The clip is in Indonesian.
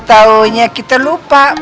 eh tau taunya kita lupa ya